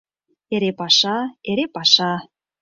Эре паша, эре паша...